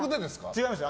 違います。